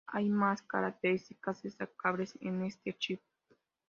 Hay más características destacables en este chip.